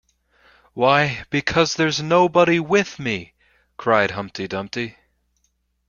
‘Why, because there’s nobody with me!’ cried Humpty Dumpty.